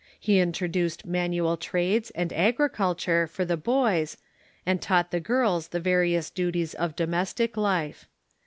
He introduced manual trades and agriculture for the boys, and taught the girls the various duties of domestic life.